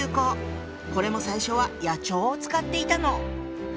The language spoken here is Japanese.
これも最初は野鳥を使っていたの。